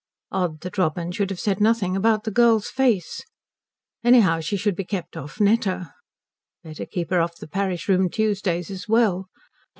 Odd that Robin should have said nothing about the girl's face. Anyhow she should be kept off Netta. Better keep her off the parish room Tuesdays as well.